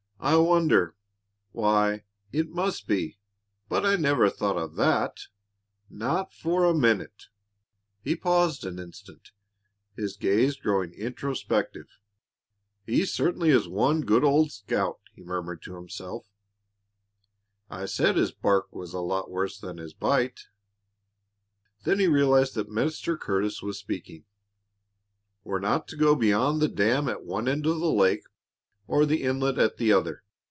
"I wonder Why, it must be! But I never thought of that not for a minute!" He paused an instant, his gaze growing introspective. "He certainly is one good old scout," he murmured to himself. "I said his bark was a lot worse than his bite." Then he realized that Mr. Curtis was speaking. "We're not to go beyond the dam at one end of the lake or the inlet at the other.